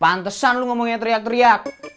pantesan lu ngomongnya teriak teriak